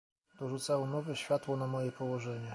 "To rzucało nowe światło na moje położenie."